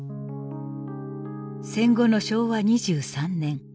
戦後の昭和２３年。